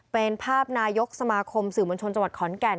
เป็นภาพนายกสมาคมสื่อมวลชนจังหวัดขอนแก่น